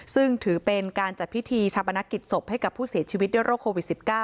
ซึ่งถือเป็นการจัดพิธีชาปนกิจศพให้กับผู้เสียชีวิตด้วยโรคโควิด๑๙